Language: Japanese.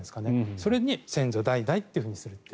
それに先祖代々ってするって。